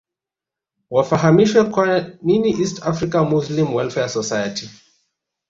wafahamishwe kwa nini East African Muslim Welfare Society